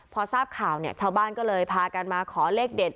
พอทราบข่าวเนี่ยชาวบ้านก็เลยพากันมาขอเลขเด็ด